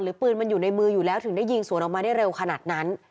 ปืนมันอยู่ในมืออยู่แล้วถึงได้ยิงสวนออกมาได้เร็วขนาดนั้น